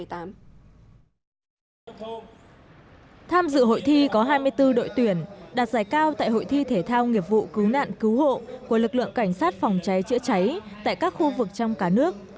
tham dự hội thi có hai mươi bốn đội tuyển đạt giải cao tại hội thi thể thao nghiệp vụ cứu nạn cứu hộ của lực lượng cảnh sát phòng cháy chữa cháy tại các khu vực trong cả nước